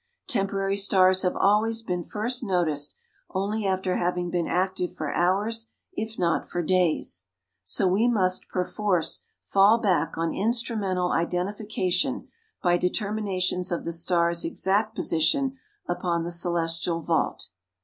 Temporary stars have always been first noticed only after having been active for hours if not for days. So we must perforce fall back on instrumental identification by determinations of the star's exact position upon the celestial vault.